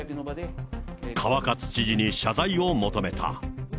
川勝知事に謝罪を求めた。